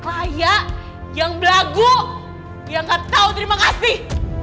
orang klayak yang belagu yang gak tau terima kasih